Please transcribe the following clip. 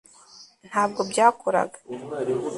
ntabwo byakoraga